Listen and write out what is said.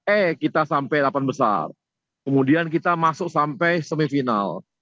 eh kita sampai delapan besar kemudian kita masuk sampai semifinal